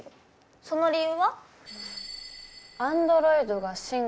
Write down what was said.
その理由は？かな。